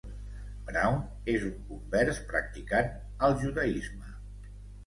Brown és un convers practicant al judaisme.